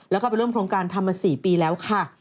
แล้วก็ไปร่วมโครงการทำมา๔ปีแล้วค่ะ